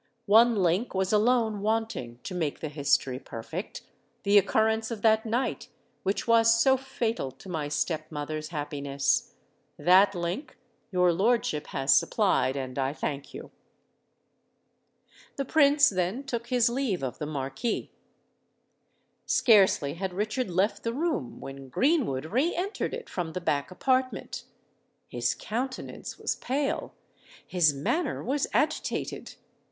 One link was alone wanting to make the history perfect—the occurrence of that night which was so fatal to my step mother's happiness. That link your lordship has supplied;—and I thank you." The Prince then took his leave of the Marquis. Scarcely had Richard left the room, when Greenwood re entered it from the back apartment. His countenance was pale—his manner was agitated.